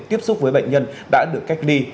tiếp xúc với bệnh nhân đã được cách ly